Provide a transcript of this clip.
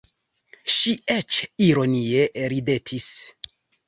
Ŝi eĉ ironie ridetis.